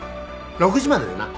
６時まででな。